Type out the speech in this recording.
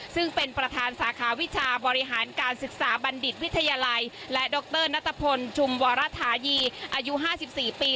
ซึ่งเป็นประธานสาขาวิชาบริหารการศึกษาบัณฑิตวิทยาลัยและดรนัตรพลชุมวรธายีอายุ๕๔ปี